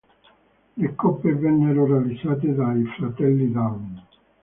Le coppe vennero realizzate dai fratelli Daum.